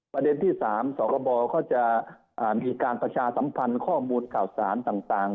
ประเด็นที่๓สคบเขาจะมีการประชาสัมพันธ์ข้อมูลข่าวสารต่าง